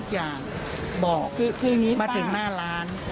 อย่างนี้นะป้า